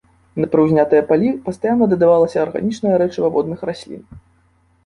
На прыўзнятыя палі пастаянна дадавалася арганічнае рэчыва водных раслін.